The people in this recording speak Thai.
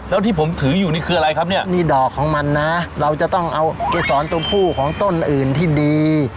แล้วที่ผมถืออยู่นี่คืออะไรครับเนี่ยนี่ดอกของมันนะเราจะต้องเอาเกษรตัวผู้ของต้นอื่นที่ดี